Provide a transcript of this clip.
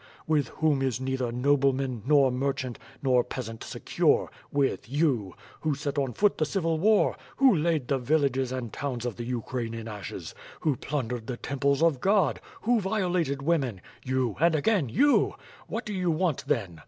With whom is neither nobleman, nor merchant, nor peasant secure? — with you! Who set on foot the civil war? Who laid the villages and towns of the Ukraine in ashes? Who plundered the temples of God? Who violated women? You, and again, you! What do you want then?